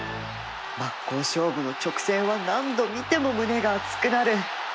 真っ向勝負の直線は何度見ても胸が熱くなる！